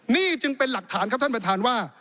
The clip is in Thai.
นี่จึงเป็นหลักฐานครับท่านประธานว่า